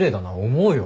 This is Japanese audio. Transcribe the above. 思うよ。